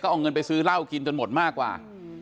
เอาเงินไปซื้อเหล้ากินจนหมดมากกว่า